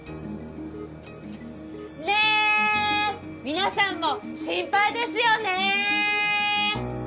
皆さんも心配ですよね！